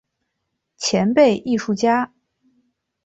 前辈艺术家